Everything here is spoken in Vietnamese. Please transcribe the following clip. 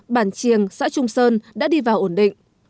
bản triềng xã trung sơn đã đi vào ổn định